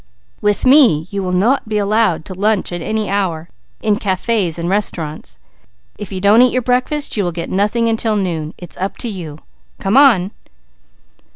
With me you will not be allowed to lunch at any hour, in cafes and restaurants. If you don't eat your breakfast you will get nothing until noon. It is up to you. Come on!"